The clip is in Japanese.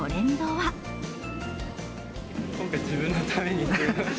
今回、自分のために。